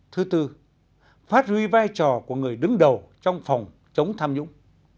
thứ tư phát huy vai trò của người đứng đầu trong phòng chống tham nhũng